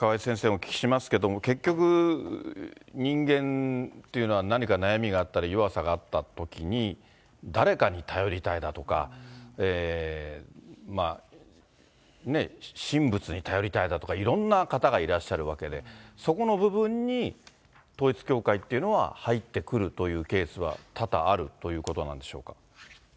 お聞きしますけれども、結局、人間というのは何か悩みがあったり弱さがあったときに、誰かに頼りたいだとか、神仏に頼りたいだとか、いろんな方がいらっしゃるわけで、そこの部分に統一教会っていうのは入ってくるというケースは多々あるということなんでしょうか。